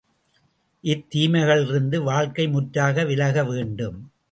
இத் தீமைகளிலிருந்து வாழ்க்கை முற்றாக விலக வேண்டும்.